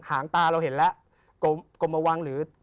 หางตาเราเห็นแล้วกรมวังหรือ